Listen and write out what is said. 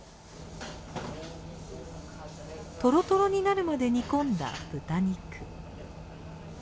トロトロになるまで煮込んだ豚肉。